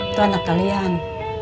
itu anak kalian